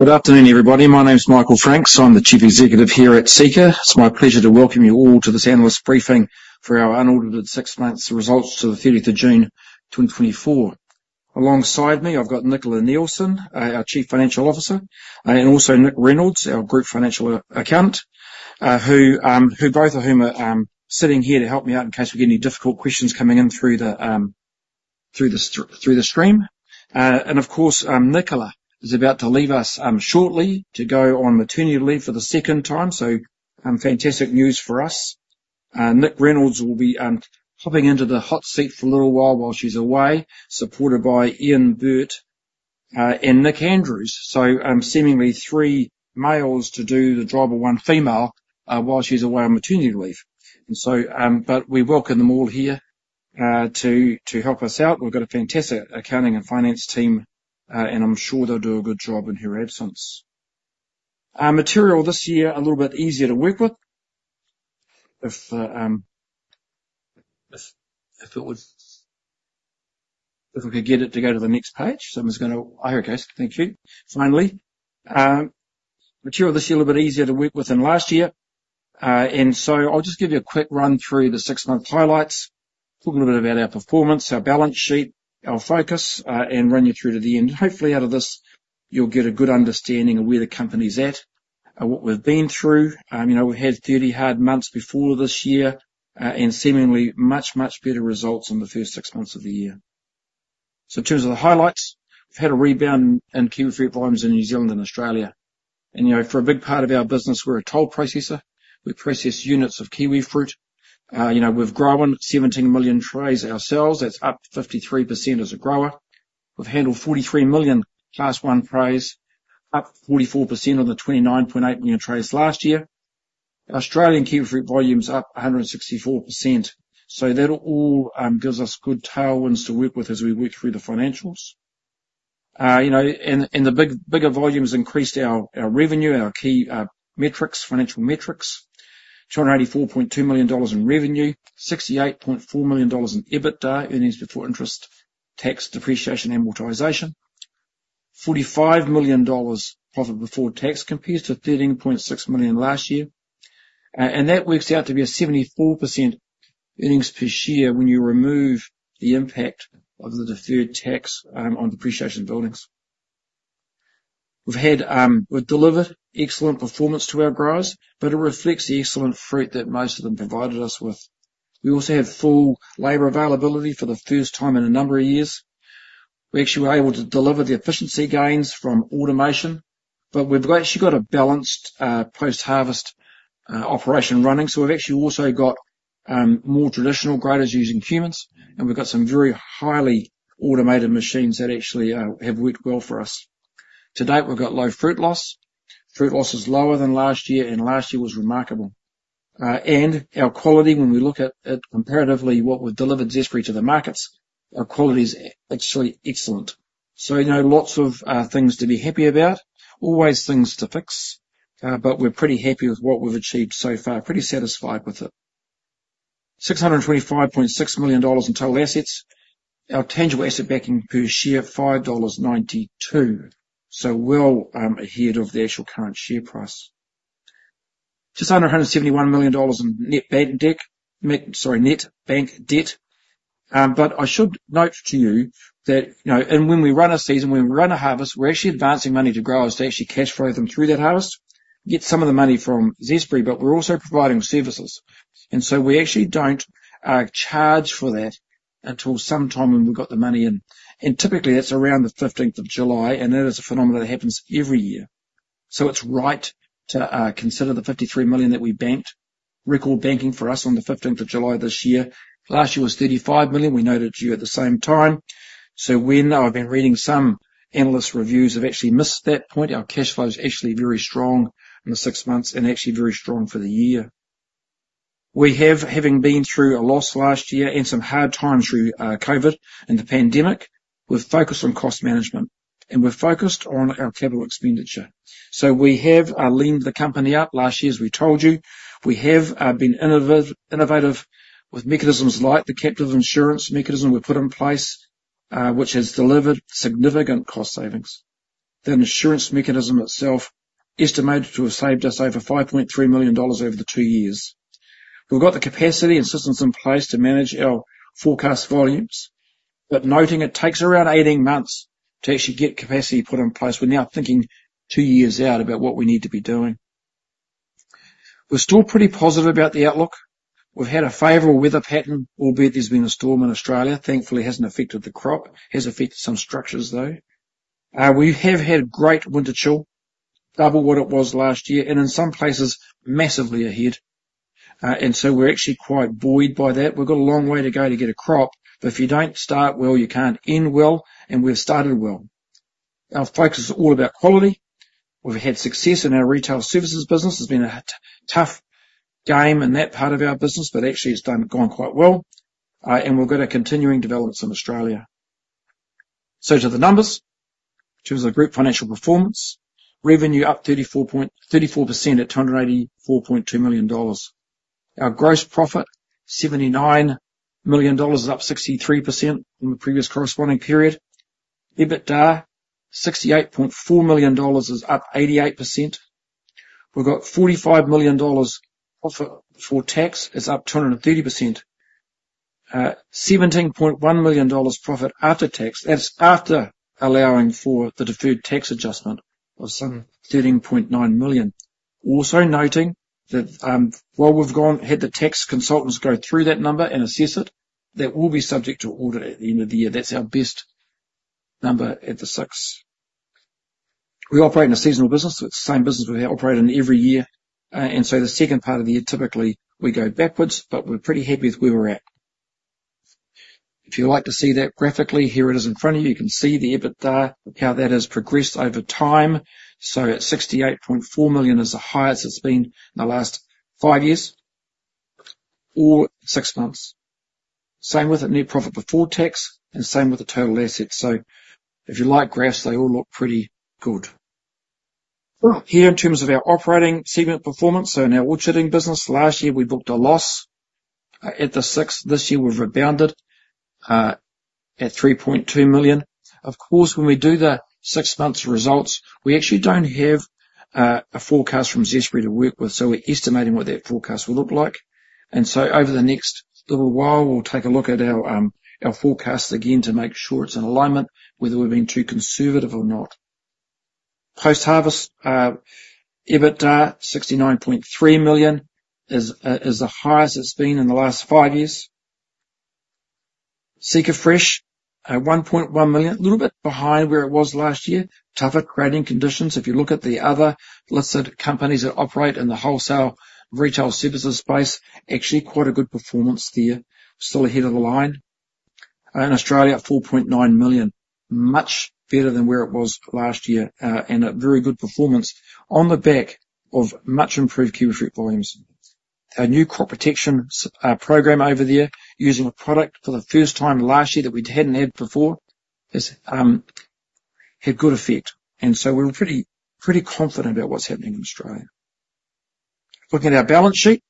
Good afternoon, everybody. My name is Michael Franks. I'm the Chief Executive here at Seeka. It's my pleasure to welcome you all to this analyst briefing for our unaudited six months results to the 30th of June, 2024. Alongside me, I've got Nicola Neilson, our Chief Financial Officer, and also Nick Reynolds, our Group Financial Controller, who both of whom are sitting here to help me out in case we get any difficult questions coming in through the stream. And of course, Nicola is about to leave us shortly to go on maternity leave for the second time. So, fantastic news for us. Nick Reynolds will be hopping into the hot seat for a little while, while she's away, supported by Ian Burt and Nick Andrews. So, seemingly three males to do the job of one female, while she's away on maternity leave. And so, but we welcome them all here, to help us out. We've got a fantastic accounting and finance team, and I'm sure they'll do a good job in her absence. Our material this year, a little bit easier to work with. If it was, if we could get it to go to the next page. Someone's gonna... Okay, thank you. Finally, material this year a little bit easier to work with than last year. And so I'll just give you a quick run through the six-month highlights, talking a bit about our performance, our balance sheet, our focus, and run you through to the end. Hopefully, out of this, you'll get a good understanding of where the company's at and what we've been through. You know, we had 30 hard months before this year, and seemingly much, much better results in the first six months of the year. In terms of the highlights, we've had a rebound in kiwifruit volumes in New Zealand and Australia. You know, for a big part of our business, we're a toll processor. We process units of kiwifruit. You know, we've grown 17 million trays ourselves. That's up 53% as a grower. We've handled 43 million Class 1 trays, up 44% on the 29.8 million trays last year. Australian kiwifruit volume is up 164%. That all gives us good tailwinds to work with as we work through the financials. You know, the bigger volumes increased our revenue, our key metrics, financial metrics. 284.2 million dollars in revenue, 68.4 million dollars in EBITDA, Earnings Before Interest, Tax, Depreciation, and Amortization. 45 million dollars profit before tax, compares to 13.6 million last year. That works out to be 74% earnings per share when you remove the impact of the deferred tax on depreciation buildings. We've delivered excellent performance to our growers, but it reflects the excellent fruit that most of them provided us with. We also had full labor availability for the first time in a number of years. We actually were able to deliver the efficiency gains from automation, but we've actually got a balanced post-harvest operation running. We've actually also got more traditional graders using humans, and we've got some very highly automated machines that actually have worked well for us. To date, we've got low fruit loss. Fruit loss is lower than last year, and last year was remarkable. And our quality, when we look at comparatively what we've delivered Zespri to the markets, our quality is actually excellent. We know lots of things to be happy about, always things to fix, but we're pretty happy with what we've achieved so far. Pretty satisfied with it. 625.6 million dollars in total assets. Our tangible asset backing per share, 5.92 dollars, well ahead of the actual current share price. Just under 171 million dollars in net bank debt. But I should note to you that, you know, and when we run a season, when we run a harvest, we're actually advancing money to growers to actually cash flow them through that harvest, get some of the money from Zespri, but we're also providing services. And so we actually don't charge for that until sometime when we've got the money in. And typically, that's around the 15th of July, and that is a phenomenon that happens every year. So it's right to consider the 53 million that we banked. Record banking for us on the 15th of July this year. Last year was 35 million. We noted you at the same time. So when I've been reading some analyst reviews, have actually missed that point. Our cash flow is actually very strong in the six months and actually very strong for the year. We have, having been through a loss last year and some hard times through COVID and the pandemic, we've focused on cost management, and we've focused on our capital expenditure. So we have leaned the company up. Last year, as we told you, we have been innovative with mechanisms like the captive insurance mechanism we put in place, which has delivered significant cost savings. The insurance mechanism itself estimated to have saved us over $5.3 million over the two years. We've got the capacity and systems in place to manage our forecast volumes, but noting it takes around 18 months to actually get capacity put in place. We're now thinking two years out about what we need to be doing. We're still pretty positive about the outlook. We've had a favorable weather pattern, albeit there's been a storm in Australia. Thankfully, it hasn't affected the crop. It has affected some structures, though. We have had great winter chill, double what it was last year, and in some places massively ahead. And so we're actually quite buoyed by that. We've got a long way to go to get a crop, but if you don't start well, you can't end well, and we've started well. Our focus is all about quality. We've had success in our retail services business. It's been a tough game in that part of our business, but actually, it's done gone quite well. And we've got continuing developments in Australia. So to the numbers, which was a great financial performance. Revenue up 34% at 284.2 million dollars. Our gross profit, 79 million dollars, is up 63% from the previous corresponding period. EBITDA, $68.4 million, is up 88%. We've got $45 million profit before tax, it's up 230%. $17.1 million profit after tax, that's after allowing for the deferred tax adjustment of some $13.9 million. Also noting that, while we've gone, had the tax consultants go through that number and assess it, that will be subject to audit at the end of the year. That's our best number at the six. We operate in a seasonal business, so it's the same business we operate in every year, and so the second part of the year, typically we go backwards, but we're pretty happy with where we're at. If you'd like to see that graphically, here it is in front of you. You can see the EBITDA, how that has progressed over time. So at 68.4 million is the highest it's been in the last five years or six months. Same with the net profit before tax, and same with the total assets. So if you like graphs, they all look pretty good. Well, here in terms of our operating segment performance, so in our orcharding business, last year we booked a loss. At the sixth, this year we've rebounded at 3.2 million. Of course, when we do the six months results, we actually don't have a forecast from Zespri to work with, so we're estimating what that forecast will look like. And so over the next little while, we'll take a look at our forecast again to make sure it's in alignment, whether we've been too conservative or not. Post-harvest EBITDA, $69.3 million is the highest it's been in the last five years. SeekaFresh, $1.1 million, a little bit behind where it was last year. Tougher trading conditions. If you look at the other listed companies that operate in the wholesale retail services space, actually quite a good performance there. Still ahead of the line. In Australia, $4.9 million, much better than where it was last year, and a very good performance on the back of much improved kiwifruit volumes. Our new crop protection program over there, using a product for the first time last year that we hadn't had before, has had good effect. And so we're pretty confident about what's happening in Australia. Looking at our balance sheet,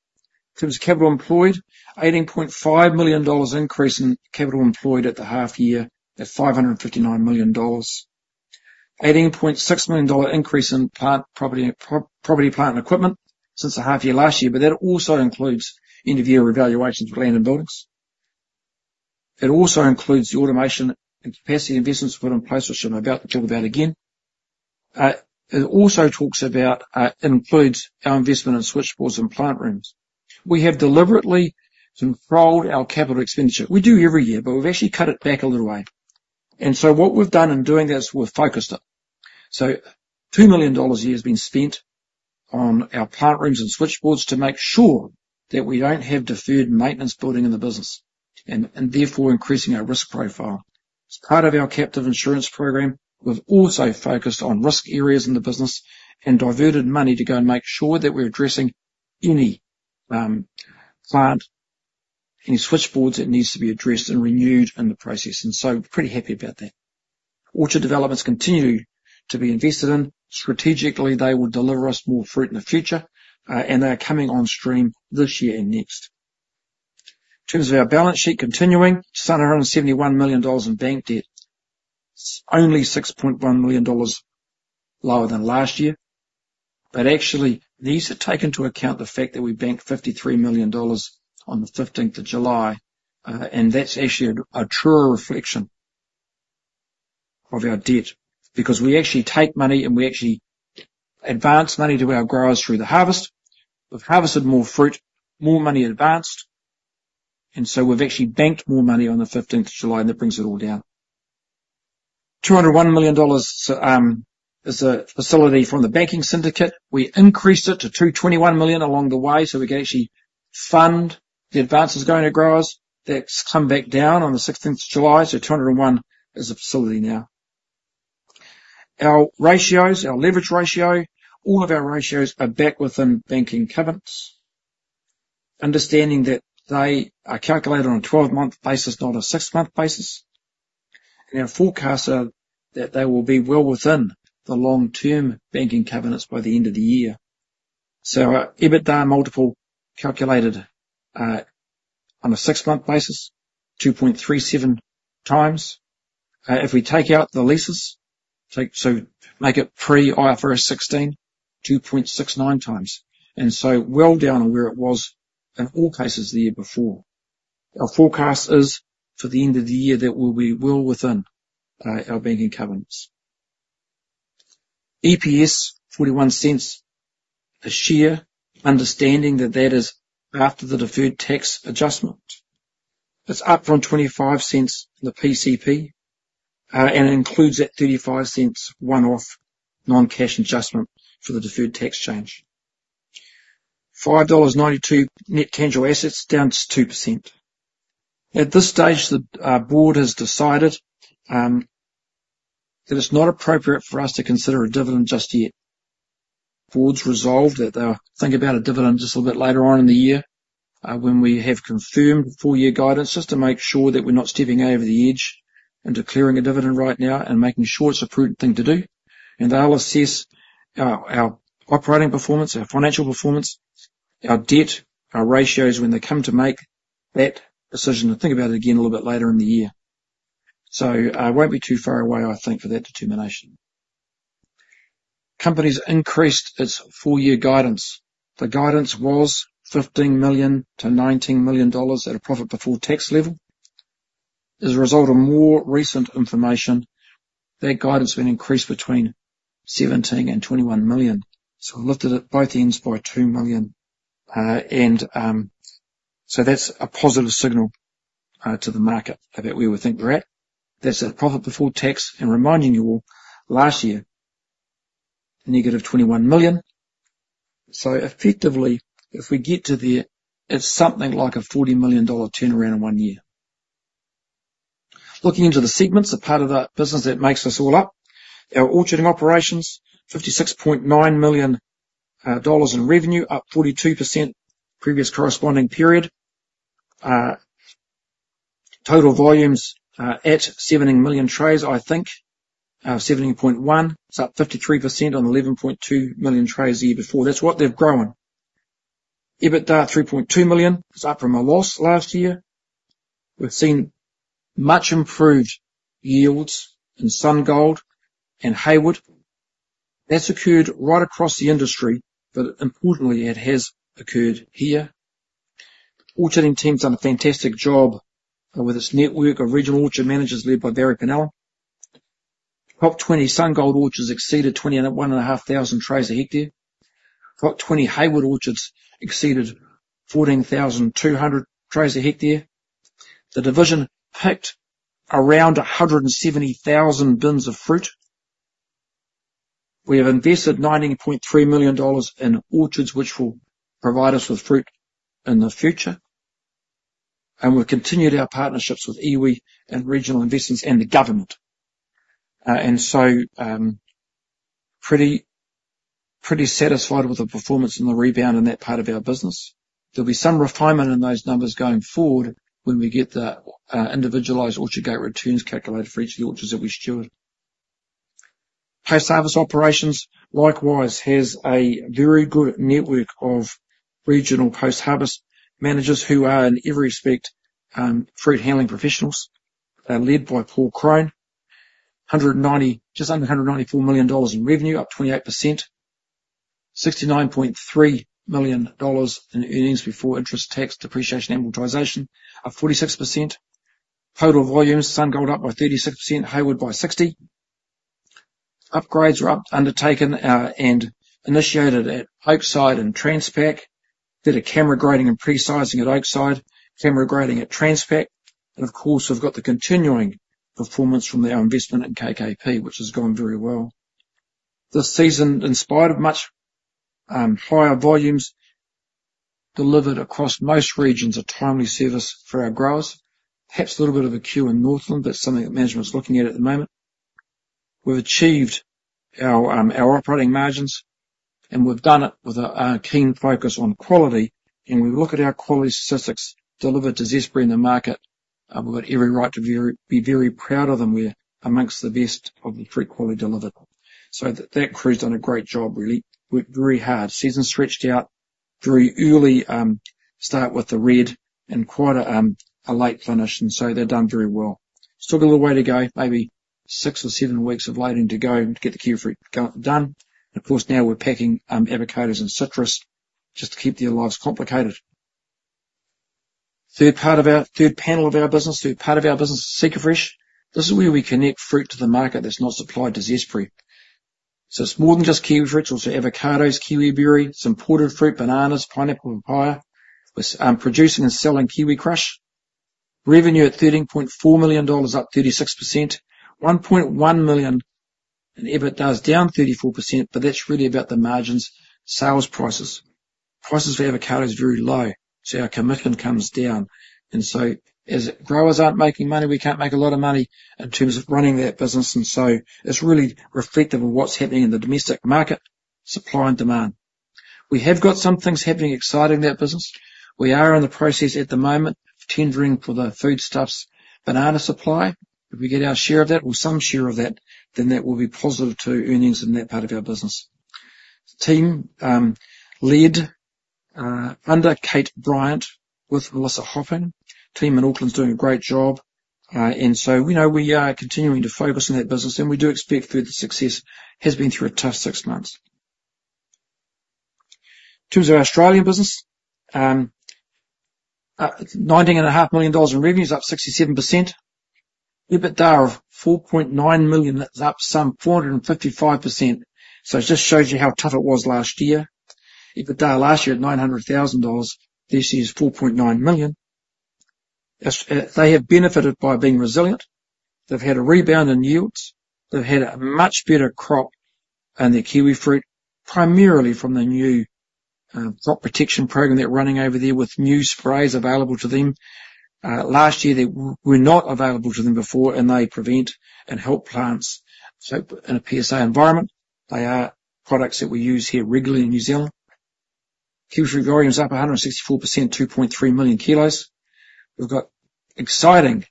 in terms of capital employed, NZD 18.5 million increase in capital employed at the half year at NZD 559 million. 18.6 million dollar increase in property, plant and equipment since the half year last year, but that also includes end-of-year revaluations of land and buildings. It also includes the automation and capacity investments put in place, which I'm about to talk about again. It also talks about, it includes our investment in switchboards and plant rooms. We have deliberately controlled our capital expenditure. We do every year, but we've actually cut it back a little way. And so what we've done in doing this, we've focused it. 2 million dollars a year has been spent on our plant rooms and switchboards to make sure that we don't have deferred maintenance building in the business and therefore increasing our risk profile. As part of our captive insurance program, we've also focused on risk areas in the business and diverted money to go and make sure that we're addressing any plant any switchboards that needs to be addressed and renewed in the process, and so pretty happy about that. Orchard developments continue to be invested in. Strategically, they will deliver us more fruit in the future, and they are coming on stream this year and next. In terms of our balance sheet continuing, 771 million dollars in bank debt. Only $6.1 million lower than last year, but actually, these take into account the fact that we banked $53 million on the 15th of July. And that's actually a truer reflection of our debt, because we actually take money, and we actually advance money to our growers through the harvest. We've harvested more fruit, more money advanced, and so we've actually banked more money on the 15th of July, and that brings it all down. $201 million is a facility from the banking syndicate. We increased it to $221 million along the way, so we could actually fund the advances going to growers. That's come back down on the 16th of July, so $201 million is the facility now. Our ratios, our leverage ratio, all of our ratios are back within banking covenants, understanding that they are calculated on a twelve-month basis, not a six-month basis. Our forecasts are that they will be well within the long-term banking covenants by the end of the year. Our EBITDA multiple calculated on a six-month basis, 2.37 times. If we take out the leases, so make it pre-IFRS 16, 2.69 times, and so well down on where it was in all cases the year before. Our forecast is, for the end of the year, that we'll be well within our banking covenants. EPS, 41 cents a share, understanding that that is after the deferred tax adjustment. It's up from 25 cents in the PCP, and includes that 35 cents one-off non-cash adjustment for the deferred tax change. $5.92 net tangible assets, down 2%. At this stage, the board has decided that it's not appropriate for us to consider a dividend just yet. The board has resolved that they'll think about a dividend just a little bit later on in the year, when we have confirmed full year guidance, just to make sure that we're not stepping over the edge, and declaring a dividend right now and making sure it's a prudent thing to do. They'll assess our operating performance, our financial performance, our debt, our ratios, when they come to make that decision, and think about it again a little bit later in the year. So, it won't be too far away, I think, for that determination. The Company has increased its full year guidance. The guidance was $15 million-$19 million at a profit before tax level. As a result of more recent information, that guidance has been increased between $17 million and $21 million. So we've lifted it at both ends by $2 million, and so that's a positive signal to the market about where we think we're at. That's at profit before tax, and reminding you all, last year, -$21 million. So effectively, if we get to there, it's something like a $40 million dollar turnaround in one year. Looking into the segments, the part of the business that makes us all up. Our orcharding operations, $56.9 million dollars in revenue, up 42% previous corresponding period. Total volumes at 17 million trays, I think. 17.1. It's up 53% on 11.2 million trays the year before. That's what they've grown. EBITDA, $3.2 million. It's up from a loss last year. We've seen much improved yields in SunGold and Hayward. That's occurred right across the industry, but importantly, it has occurred here. The orcharding team has done a fantastic job with its network of regional orchard managers, led by Barry Pennell. Top 20 SunGold orchards exceeded 21.5 thousand trays a hectare. Top 20 Hayward orchards exceeded 14,200 trays a hectare. The division picked around 170,000 bins of fruit. We have invested $90.3 million in orchards, which will provide us with fruit in the future, and we've continued our partnerships with iwi, and regional investors, and the government, and so pretty satisfied with the performance and the rebound in that part of our business. There'll be some refinement in those numbers going forward when we get the individualized orchard gate returns calculated for each of the orchards that we steward. Post-harvest operations, likewise, has a very good network of regional post-harvest managers who are in every respect fruit handling professionals. They're led by Paul Crone. Just under $194 million in revenue, up 28%. $69.3 million in earnings before interest, tax, depreciation, and amortization, up 46%. Total volumes, SunGold up by 36%, Hayward by 60%. Upgrades are undertaken and initiated at Oakside and Transpack. Did a camera grading and pre-sizing at Oakside, camera grading at Transpack, and of course, we've got the continuing performance from our investment in KKP, which has gone very well. This season, in spite of much higher volumes delivered across most regions, a timely service for our growers. Perhaps a little bit of a queue in Northland, that's something that management is looking at the moment. We've achieved our operating margins, and we've done it with a keen focus on quality, and we look at our quality statistics delivered to Zespri in the market, we've got every right to be very, be very proud of them. We're among the best of the fruit quality delivered, so that crew's done a great job, really. Worked very hard. Season stretched out very early start with the Red and quite a late finish, and so they've done very well. Still got a little way to go, maybe six or seven weeks of loading to go to get the kiwifruit go, done. And of course, now we're packing avocados and citrus just to keep their lives complicated. The third part of our business is SeekaFresh. This is where we connect fruit to the market that's not supplied to Zespri. So it's more than just kiwifruits, also avocados, kiwiberry, some imported fruit, bananas, pineapple, and papaya. We're producing and selling KiwiCrush. Revenue at 13.4 million dollars, up 36%. 1.1 million in EBITDA, down 34%, but that's really about the margins, sales prices. Prices for avocado is very low, so our commitment comes down. And so as growers aren't making money, we can't make a lot of money in terms of running that business, and so it's really reflective of what's happening in the domestic market, supply and demand. We have got some things happening exciting in that business. We are in the process at the moment of tendering for the Foodstuffs banana supply. If we get our share of that, or some share of that, then that will be positive to earnings in that part of our business. The team, led, under Kate Bryant, with Melissa Hannon, the team in Auckland is doing a great job. And so we know we are continuing to focus on that business, and we do expect further success, has been through a tough six months. In terms of our Australian business, $19.5 million dollars in revenue, up 67%. EBITDA of $4.9 million, that's up some 455%. So it just shows you how tough it was last year. EBITDA last year at $900,000, this year's $4.9 million. As they have benefited by being resilient. They've had a rebound in yields, they've had a much better crop in their kiwifruit, primarily from the new crop protection program they're running over there, with new sprays available to them. Last year, they were not available to them before, and they prevent and help plants. So in a PSA environment, they are products that we use here regularly in New Zealand. Kiwifruit volume is up 164%, 2.3 million kilos. We've got exciting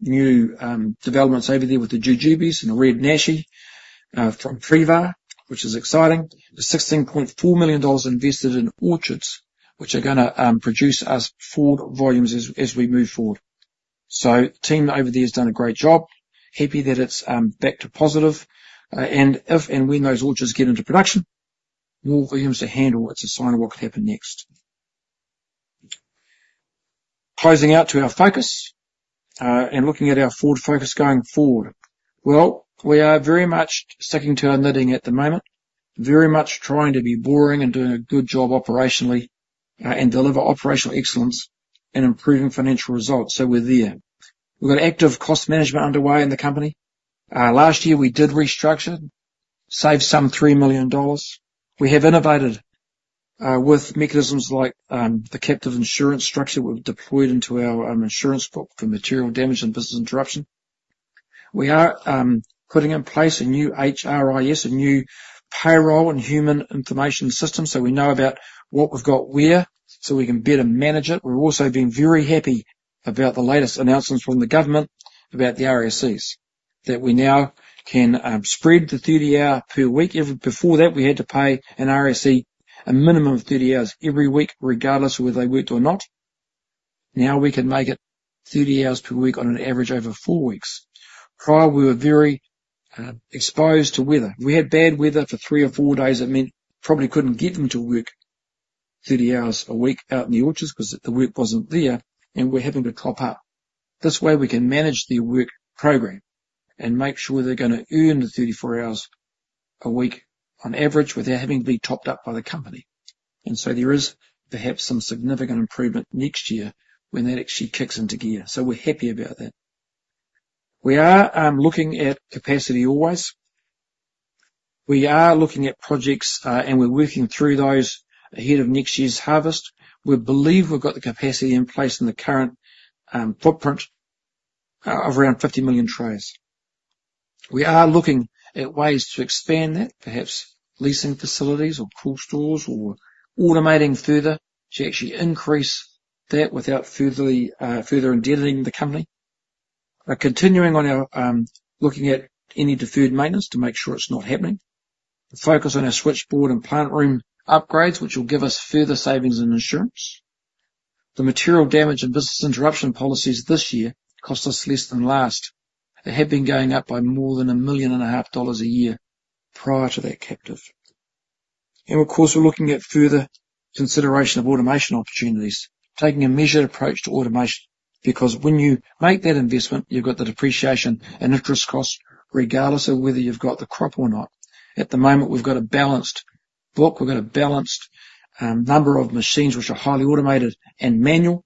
new developments over there with the jujubes and the Red Nashi from Prevar, which is exciting. The $16.4 million invested in orchards, which are gonna produce us forward volumes as we move forward. So the team over there has done a great job. Happy that it's back to positive. And if and when those orchards get into production, more volumes to handle, it's a sign of what could happen next. Closing out to our focus, and looking at our forward focus going forward. Well, we are very much sticking to our knitting at the moment, very much trying to be boring and doing a good job operationally, and deliver operational excellence and improving financial results. So we're there. We've got active cost management underway in the company. Last year, we did restructure, saved some 3 million dollars. We have innovated, with mechanisms like the captive insurance structure we've deployed into our insurance book for material damage and business interruption. We are putting in place a new HRIS, a new payroll and human resources information system, so we know about what we've got where, so we can better manage it. We've also been very happy about the latest announcements from the government about the RSEs, that we now can spread the thirty hour per week. Before that, we had to pay an RSE a minimum of thirty hours every week, regardless of whether they worked or not. Now, we can make it thirty hours per week on an average over four weeks. Prior, we were very exposed to weather. If we had bad weather for three or four days, it meant probably couldn't get them to work thirty hours a week out in the orchards because the work wasn't there, and we're having to top up. This way, we can manage their work program and make sure they're gonna earn the thirty-four hours a week on average, without having to be topped up by the company, and so there is perhaps some significant improvement next year when that actually kicks into gear, so we're happy about that. We are looking at capacity always. We are looking at projects, and we're working through those ahead of next year's harvest. We believe we've got the capacity in place in the current footprint of around fifty million trays. We are looking at ways to expand that, perhaps leasing facilities or cool stores or automating further to actually increase that without further indebting the company. We're continuing on our looking at any deferred maintenance to make sure it's not happening. The focus on our switchboard and plant room upgrades, which will give us further savings and insurance. The material damage and business interruption policies this year cost us less than last. They have been going up by more than 1.5 million a year prior to that captive. And of course, we're looking at further consideration of automation opportunities, taking a measured approach to automation, because when you make that investment, you've got the depreciation and interest cost, regardless of whether you've got the crop or not. At the moment, we've got a balanced book. We've got a balanced number of machines which are highly automated and manual.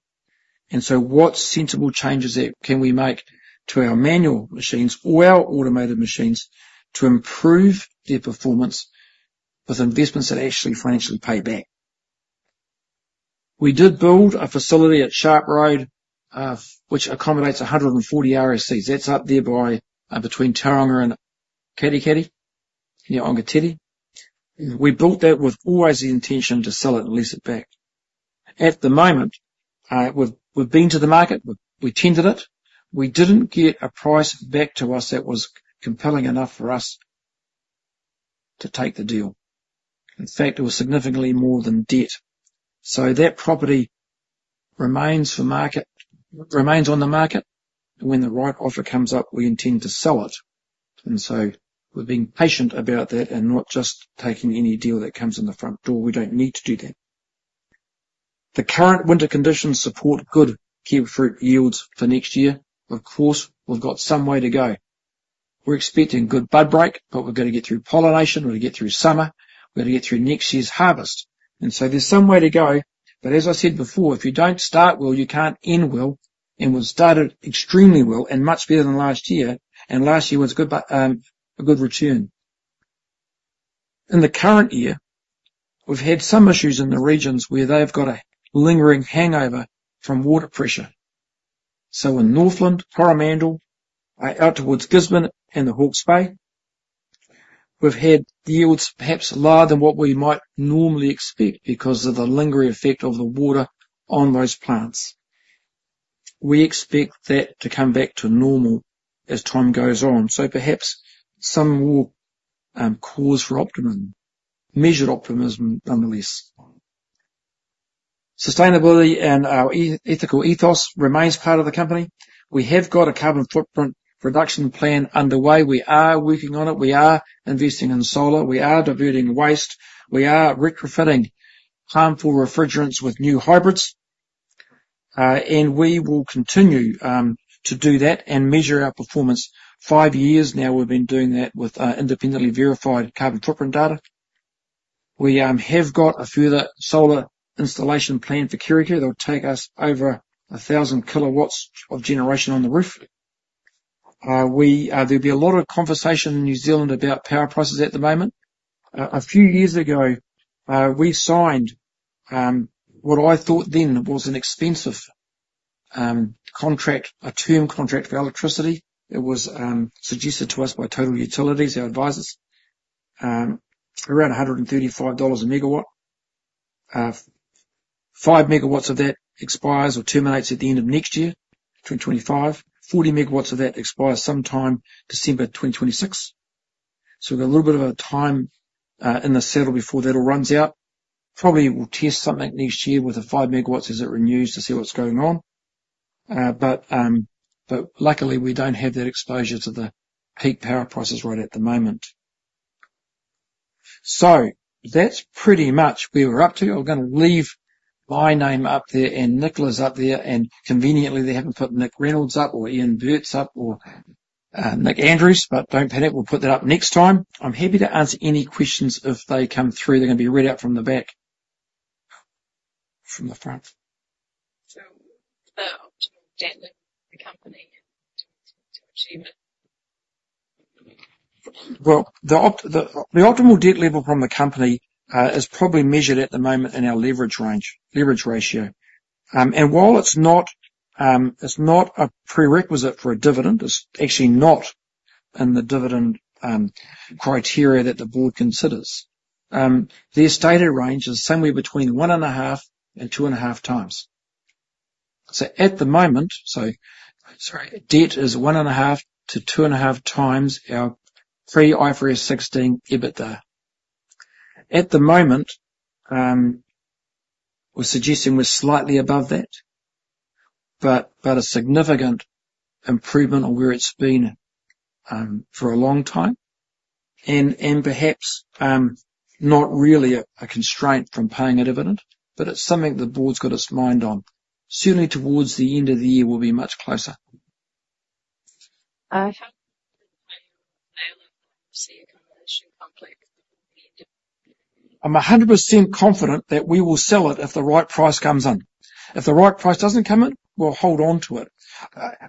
And so what sensible changes that can we make to our manual machines or our automated machines to improve their performance with investments that actually financially pay back? We did build a facility at Sharp Road, which accommodates 140 RSEs. That's up there by, between Tauranga and Katikati, near Aongatete. We built that with always the intention to sell it and lease it back. At the moment, we've been to the market, we tendered it. We didn't get a price back to us that was compelling enough for us to take the deal. In fact, it was significantly more than debt. So that property remains on the market, and when the right offer comes up, we intend to sell it. And so we're being patient about that and not just taking any deal that comes in the front door. We don't need to do that. The current winter conditions support good kiwifruit yields for next year. Of course, we've got some way to go. We're expecting good bud break, but we've got to get through pollination, we've got to get through summer, we've got to get through next year's harvest, and so there's some way to go, but as I said before, if you don't start well, you can't end well, and we've started extremely well and much better than last year, and last year was good, but, a good return. In the current year, we've had some issues in the regions where they've got a lingering hangover from water pressure, so in Northland, Coromandel, out towards Gisborne and the Hawke's Bay, we've had yields perhaps lower than what we might normally expect because of the lingering effect of the water on those plants. We expect that to come back to normal as time goes on, so perhaps some more cause for optimism, measured optimism, nonetheless. Sustainability and our ethical ethos remains part of the company. We have got a carbon footprint reduction plan underway. We are working on it. We are investing in solar. We are diverting waste. We are retrofitting harmful refrigerants with new hybrids, and we will continue to do that and measure our performance. Five years now, we've been doing that with independently verified carbon footprint data. We have got a further solar installation plan for Kerikeri that will take us over a thousand kilowatts of generation on the roof. There'll be a lot of conversation in New Zealand about power prices at the moment. A few years ago, we signed what I thought then was an expensive contract, a term contract for electricity. It was suggested to us by Total Utilities, our advisors, around 135 dollars a megawatt. 5 MW of that expires or terminates at the end of next year, 2025. 40 MW of that expires sometime December 2026. So we've got a little bit of a time in the settle before that all runs out. Probably we'll test something next year with the 5 MW as it renews, to see what's going on. But luckily, we don't have that exposure to the peak power prices right at the moment. So that's pretty much where we're up to. I'm gonna leave my name up there, and Nicola's up there, and conveniently, they haven't put Nick Reynolds up or Ian Burt up or Nick Andrews, but don't panic, we'll put that up next time. I'm happy to answer any questions if they come through. They're gonna be read out from the back. From the front. So, optimal debt in the company to achieve it? The optimal debt level from the company is probably measured at the moment in our leverage range, leverage ratio. And while it's not, it's not a prerequisite for a dividend, it's actually not in the dividend criteria that the board considers. Their stated range is somewhere between one and a half and two and a half times. So at the moment, debt is one and a half to two and a half times our pre-IFRS 16 EBITDA. At the moment, we're suggesting we're slightly above that, but a significant improvement on where it's been for a long time, and perhaps not really a constraint from paying a dividend, but it's something the board's got its mind on. Certainly, towards the end of the year, we'll be much closer. I have- I'm 100% confident that we will sell it if the right price comes in. If the right price doesn't come in, we'll hold on to it.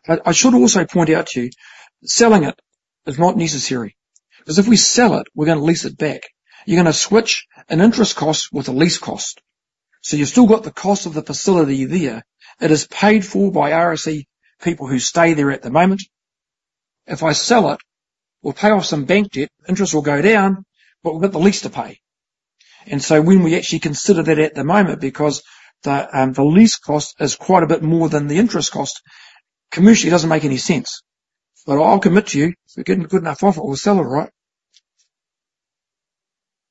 But I should also point out to you, selling it is not necessary, because if we sell it, we're gonna lease it back. You're gonna switch an interest cost with a lease cost. So you've still got the cost of the facility there. It is paid for by RSE, people who stay there at the moment. If I sell it, we'll pay off some bank debt, interest will go down, but we've got the lease to pay. And so when we actually consider that at the moment, because the lease cost is quite a bit more than the interest cost, commercially, it doesn't make any sense. But I'll commit to you, if we get a good enough offer, we'll sell it right?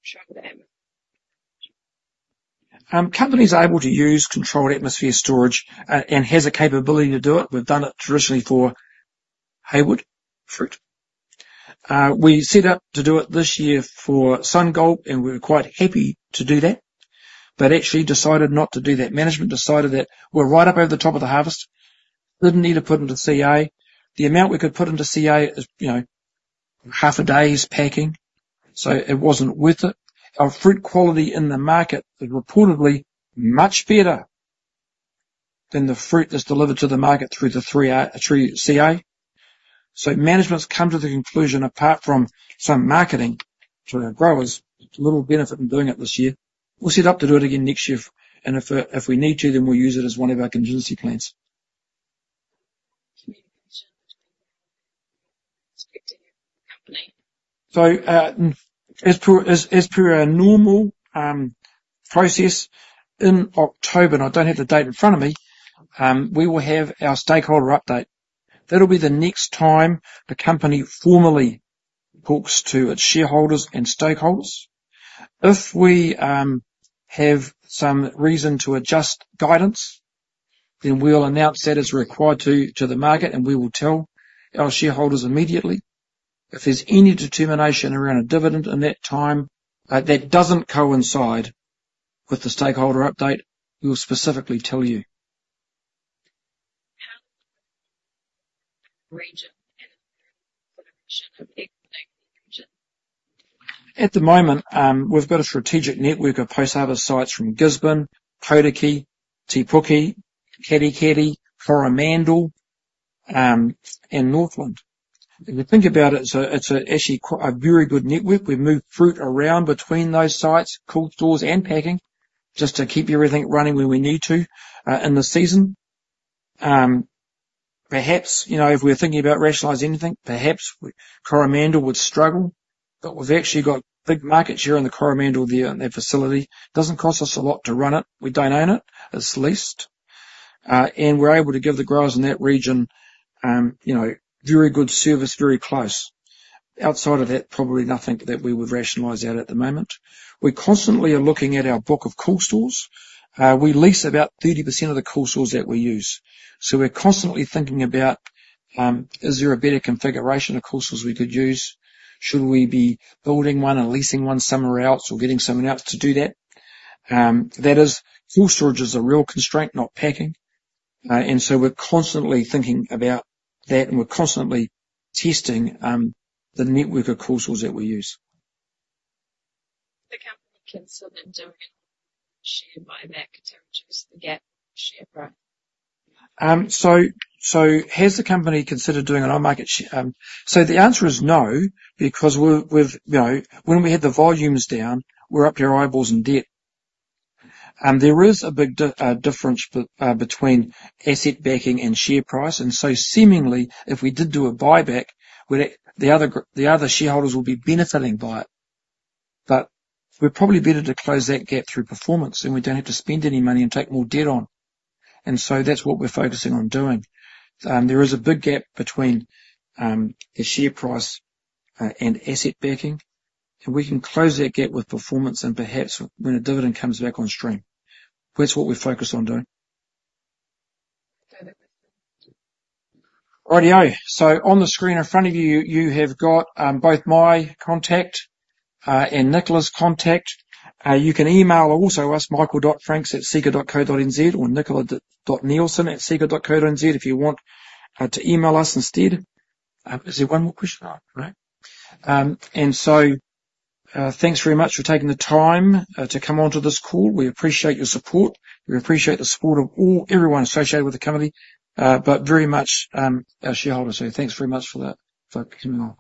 Sure. The company's able to use controlled atmosphere storage, and has a capability to do it. We've done it traditionally for Hayward fruit. We set out to do it this year for SunGold, and we were quite happy to do that, but actually decided not to do that. Management decided that we're right up over the top of the harvest, didn't need to put them to CA. The amount we could put into CA is, you know, half a day's packing, so it wasn't worth it. Our fruit quality in the market is reportedly much better than the fruit that's delivered to the market through the three CA. So management's come to the conclusion, apart from some marketing to our growers, there's little benefit from doing it this year. We'll set up to do it again next year, and if we need to, then we'll use it as one of our contingency plans. communication between expecting your company. So, as per our normal process, in October, and I don't have the date in front of me, we will have our stakeholder update. That'll be the next time the company formally talks to its shareholders and stakeholders. If we have some reason to adjust guidance, then we'll announce that as required to the market, and we will tell our shareholders immediately. If there's any determination around a dividend in that time, that doesn't coincide with the stakeholder update, we'll specifically tell you. region and the region. At the moment, we've got a strategic network of post-harvest sites from Gisborne, Hawke's Bay, Te Puke, Katikati, Coromandel, and Northland. If you think about it, it's actually a very good network. We've moved fruit around between those sites, cool stores and packing, just to keep everything running where we need to, in the season. Perhaps, you know, if we're thinking about rationalizing anything, perhaps Coromandel would struggle, but we've actually got big markets here in the Coromandel there, in that facility. Doesn't cost us a lot to run it. We don't own it. It's leased. And we're able to give the growers in that region, you know, very good service, very close. Outside of that, probably nothing that we would rationalize out at the moment. We constantly are looking at our book of cool stores. We lease about 30% of the cool stores that we use, so we're constantly thinking about: Is there a better configuration of cool stores we could use? Should we be building one and leasing one somewhere else, or getting someone else to do that? That is, cool storage is a real constraint, not packing, and so we're constantly thinking about that, and we're constantly testing the network of cool stores that we use. The company considered doing a share buyback to reduce the share price gap. The answer is no, because we're, we've... You know, when we had the volumes down, we're up to our eyeballs in debt. There is a big difference between asset backing and share price, and so seemingly, if we did do a buyback, well, the other shareholders will be benefiting by it, but we're probably better to close that gap through performance, and we don't have to spend any money and take more debt on, and so that's what we're focusing on doing. There is a big gap between the share price and asset backing, and we can close that gap with performance and perhaps when a dividend comes back on stream. That's what we're focused on doing. Okay. Righty-ho! So on the screen in front of you, you have got both my contact and Nicola's contact. You can email also us michael.franks@seeka.co.nz or nicola.neilson@seeka.co.nz, if you want, to email us instead. Is there one more question? No. So, thanks very much for taking the time to come onto this call. We appreciate your support. We appreciate the support of all, everyone associated with the company, but very much our shareholders, so thanks very much for that, for coming on.